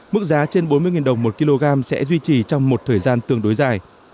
mức giá trên bốn mươi đồng một kg sẽ duy trì trong một thời gian tương đối dài